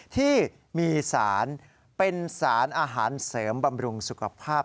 ที่มีสารเป็นสารอาหารเสริมบำรุงสุขภาพ